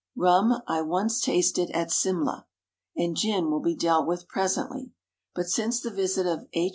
Rum I once tasted at Simla, and gin will be dealt with presently. But since the visit of H.